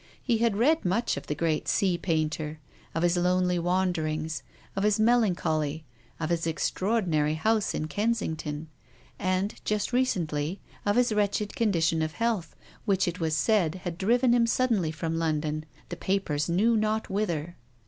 He had read much of the great sea painter, of his lonely wanderings, of his melancholy, of his extraordinary house in Kensing ton, and, just recently, of his wretched condition of health, which, it was said, had driven him sud denly from London, the papers knew not whither.